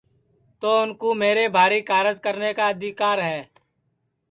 تو اُن کُو میرے بھاری کارج کرنے کا آدیکر ہے